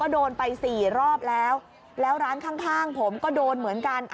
โดนไป๔รอบแล้วแล้วร้านข้างผมก็โดนเหมือนกัน